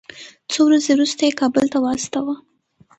څو ورځې وروسته یې کابل ته واستاوه.